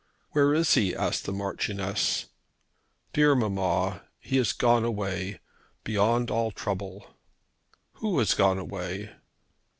"Where is he?" asked the Marchioness. "Dear mamma! He has gone away, beyond all trouble." "Who has gone away?"